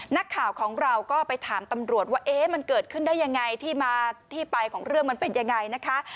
นักข่าวของเราก็ไปถามตำรวจว่าเอ๊ะมันเกิดขึ้นได้ยังไงที่มาที่ไปของเรื่องมันเป็นยังไงนะคะ